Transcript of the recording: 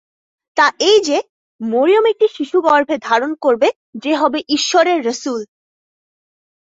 তা এই যে, মরিয়ম একটি শিশু গর্ভে ধারণ করবে যে হবে ঈশ্বরের রসূল।